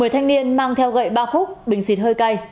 một mươi thanh niên mang theo gậy ba khúc bình xịt hơi cay